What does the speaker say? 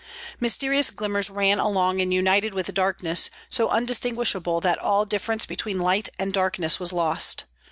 Mysterious glimmers ran along and united with darkness, so undistinguishable that all difference between light and darkness was lost.